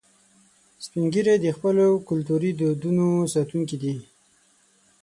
سپین ږیری د خپلو کلتوري دودونو ساتونکي دي